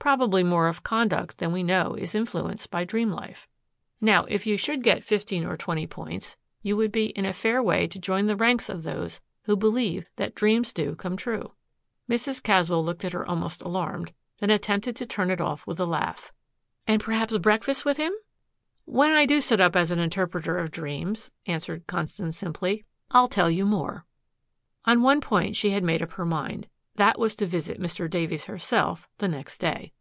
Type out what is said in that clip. Probably more of conduct than we know is influenced by dream life. Now, if you should get fifteen or twenty points you would be in a fair way to join the ranks of those who believe that dreams do come true." Mrs. Caswell looked at her almost alarmed, then attempted to turn it off with a laugh, "And perhaps breakfast with him?" "When I do set up as interpreter of dreams," answered Constance simply, "I'll tell you more." On one point she had made up her mind. That was to visit Mr. Davies herself the next day.